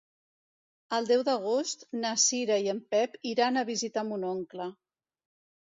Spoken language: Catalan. El deu d'agost na Cira i en Pep iran a visitar mon oncle.